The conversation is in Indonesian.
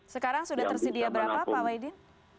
sekarang sudah tersedia berapa pak waidin